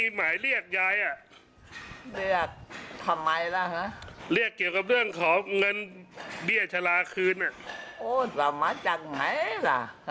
หาจิ้นก็หาจิ้นไม่ได้จาบมาจากไหน